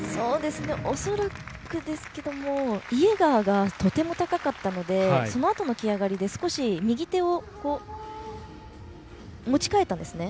恐らくですけどもイエーガーがとても高かったのでそのあとの蹴上がりで少し右手を持ち換えたんですね。